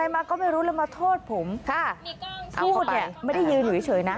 มาก็ไม่รู้แล้วมาโทษผมค่ะพูดเนี่ยไม่ได้ยืนอยู่เฉยนะ